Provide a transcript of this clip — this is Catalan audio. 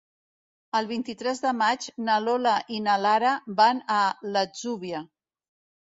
El vint-i-tres de maig na Lola i na Lara van a l'Atzúbia.